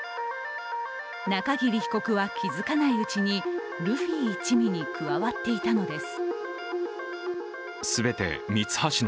中桐被告は気付かないうちにルフィ一味に加わっていたのです。